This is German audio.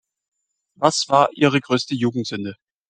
Was war Ihre größte Jugendsünde?